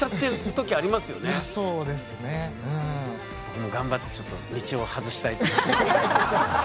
僕も頑張ってちょっと道を外したいと思います。